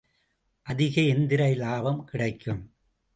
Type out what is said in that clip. அதிக எந்திர இலாபம் கிடைக்கும்.